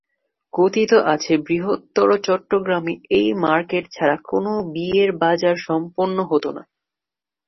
কথিত আছে বৃহত্তর চট্টগ্রামে এই মার্কেট ছাড়া কোন বিয়ের বাজার সম্পন্ন হতো না।